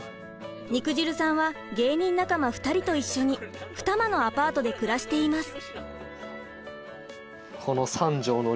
肉汁さんは芸人仲間２人と一緒に二間のアパートで暮らしています。